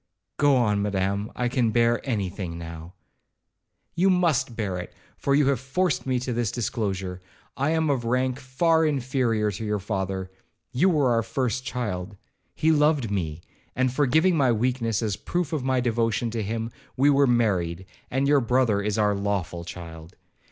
'Go on, Madam, I can bear any thing now.' 'You must bear it, for you have forced me to this disclosure. I am of rank far inferior to your father,—you were our first child. He loved me, and forgiving my weakness as a proof of my devotion to him, we were married, and your brother is our lawful child.